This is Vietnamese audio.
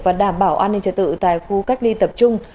và đảm bảo an ninh trật tự tại khu cách ly tập trung